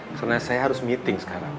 karena saya harus meeting sekarang